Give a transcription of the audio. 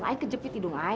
saya kejepit hidung saya